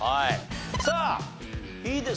さあいいですよ。